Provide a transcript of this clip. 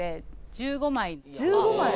１５枚！？